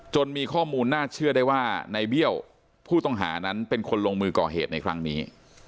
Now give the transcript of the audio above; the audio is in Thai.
มีข้อมูลน่าเชื่อได้ว่าในเบี้ยวผู้ต้องหานั้นเป็นคนลงมือก่อเหตุในครั้งนี้